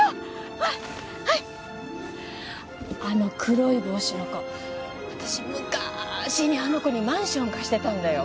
ほらはいあの黒い帽子の子私むかしにあの子にマンション貸してたんだよ